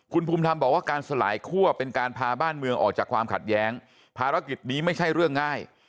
คุณภูมิธรรมบอกว่าการสลายคั่วเป็นการพาบ้านเมืองออกจากความขัดแย้งภารกิจนี้ไม่ใช่เรื่องง่าย